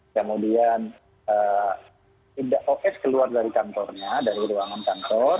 kemudian indah sos keluar dari kantornya dari ruangan kantor